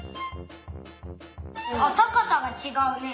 あったかさがちがうね。